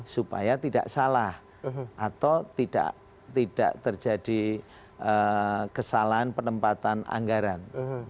supaya tidak salah atau tidak terjadi kesalahan penempatan anggaran